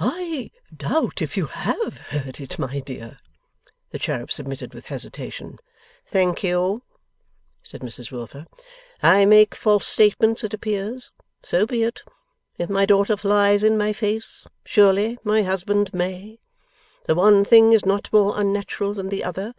'I doubt if you HAVE heard it, my dear,' the cherub submitted with hesitation. 'Thank you,' said Mrs Wilfer. 'I make false statements, it appears? So be it. If my daughter flies in my face, surely my husband may. The one thing is not more unnatural than the other.